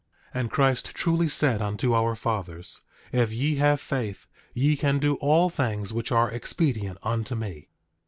10:23 And Christ truly said unto our fathers: If ye have faith ye can do all things which are expedient unto me.